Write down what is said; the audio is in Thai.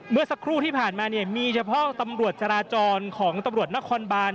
เมื่อสักครู่ที่ผ่านมาเนี่ยมีเฉพาะตำรวจจราจรของตำรวจนครบาน